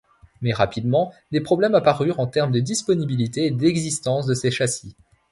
Mais rapidement, des problèmes apparurent en termes de disponibilité et d'existence de ces châssis.